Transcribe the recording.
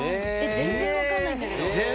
全然分かんないんだけど。